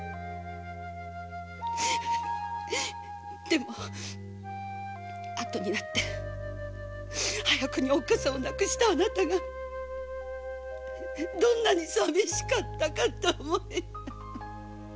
でも後になって早くに母親を亡くしたあなたがどんなに寂しかったかと思い。